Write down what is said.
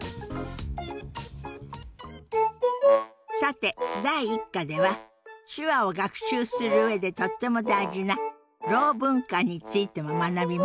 さて第１課では手話を学習する上でとっても大事なろう文化についても学びましたね。